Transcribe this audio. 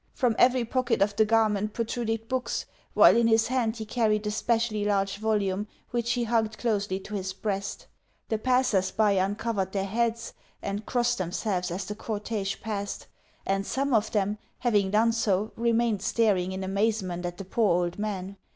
From every pocket of the garment protruded books, while in his hand he carried a specially large volume, which he hugged closely to his breast. The passers by uncovered their heads and crossed themselves as the cortège passed, and some of them, having done so, remained staring in amazement at the poor old man.